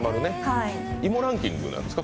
芋ランキングなんですか？